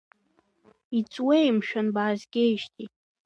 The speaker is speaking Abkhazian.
Иҵуеи, мшәан, баазгеижьҭеи?